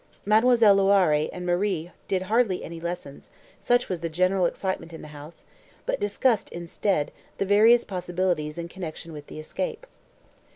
Mademoiselle Loiré and Marie did hardly any lessons, such was the general excitement in the house, but discussed, instead, the various possibilities in connection with the escape.